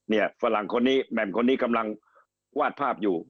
ฝรั่งคนนี้แหม่มคนนี้กำลังวาดภาพอยู่